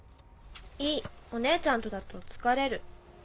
いいお姉ちゃんとだと疲れる。